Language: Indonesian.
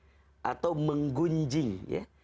aib atau menggunjing ya